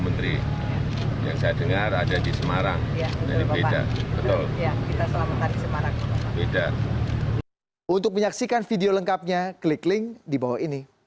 serta pengerahan karyawan dan keluarga mitra bumn